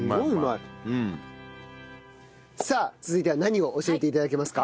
さあ続いては何を教えて頂けますか？